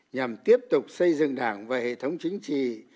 nhằm tiếp tục xây dựng đảng và hệ thống chính trị